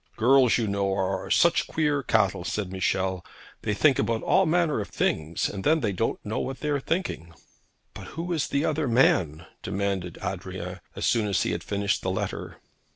'Girls, you know, are such queer cattle,' said Michel. 'They think about all manner of things, and then they don't know what they are thinking.' 'But who is the other man?' demanded Adrian, as soon as he had finished the letter.